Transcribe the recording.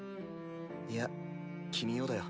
いや君をだよ。